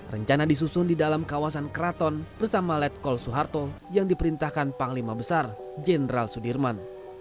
rencana disusun di dalam kawasan keraton bersama letkol soeharto yang diperintahkan panglima besar jenderal sudirman